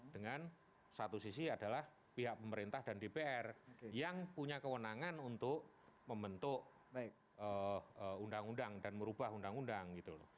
dengan satu sisi adalah pihak pemerintah dan dpr yang punya kewenangan untuk membentuk undang undang dan merubah undang undang gitu loh